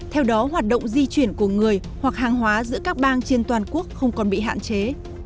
theo đó hoạt động di chuyển của người hoặc hàng hóa giữa các bang trên toàn quốc không còn bị hạn chế